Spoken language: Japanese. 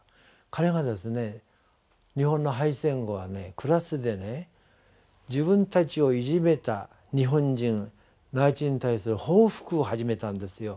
彼がですね日本の敗戦後はクラスでね自分たちをいじめた日本人内地人に対する報復を始めたんですよ